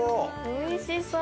おいしそう。